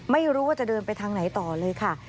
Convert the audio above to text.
ไม่รู้ว่าจะเดินไปทางไหนต่อเลยค่ะ